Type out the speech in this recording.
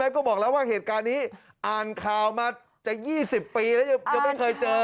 ก็บอกแล้วว่าเหตุการณ์นี้อ่านข่าวมาจะ๒๐ปีแล้วยังไม่เคยเจอ